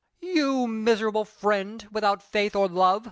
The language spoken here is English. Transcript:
] "You miserable friend, without faith or love!"